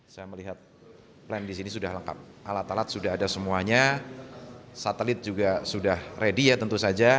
saya melihat plan di sini sudah lengkap alat alat sudah ada semuanya satelit juga sudah ready ya tentu saja